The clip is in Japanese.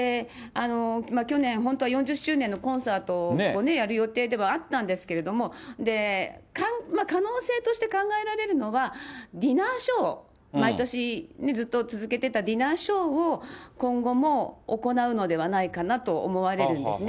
去年、本当は４０周年のコンサートをやる予定ではあったんですけれども、可能性として考えられるのは、ディナーショー、毎年ずっと続けてたディナーショーを、今後も行うのではないかなと思われるんですね。